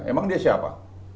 emang dia siapa